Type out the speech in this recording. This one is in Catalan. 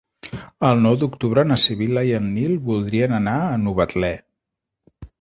El nou d'octubre na Sibil·la i en Nil voldrien anar a Novetlè.